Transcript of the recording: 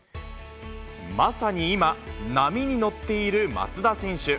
まさに今、波に乗っている松田選手。